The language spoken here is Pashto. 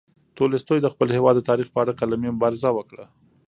تولستوی د خپل هېواد د تاریخ په اړه قلمي مبارزه وکړه.